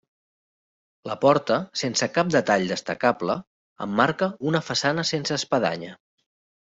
La porta, sense cap detall destacable, emmarca una façana sense espadanya.